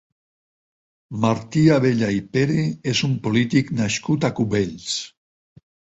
Martí Abella i Pere és un polític nascut a Cubells.